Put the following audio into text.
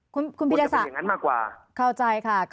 คุณคุณพิทักษะอย่างนั้นมากกว่าเข้าใจค่ะ